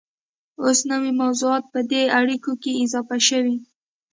اوس نوي موضوعات په دې اړیکو کې اضافه شوي